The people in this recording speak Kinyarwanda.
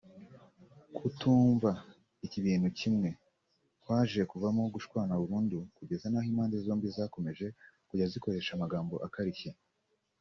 Kutumva ibintu kimwe kwaje kuvamo gushwana burundu kugeza n’aho impande zombi zakomeje kujya zikoresha amagambo akarishye